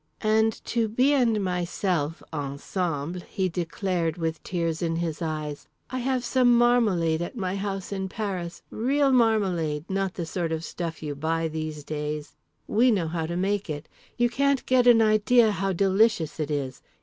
And to B. and myself ensemble he declared, with tears in his eyes, "I have some marmalade at my house in Paris, real marmalade, not the sort of stuff you buy these days. We know how to make it. You can't get an idea how delicious it is.